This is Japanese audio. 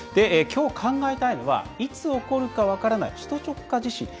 きょう、考えたいのはいつ起こるか分からない首都直下地震。